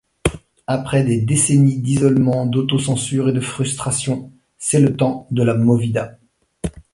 Après des décennies d'isolement, d'auto-censure et de frustrations, c'est le temps de la Movida.